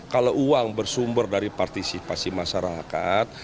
kalau uang bersumber dari partisipasi masyarakat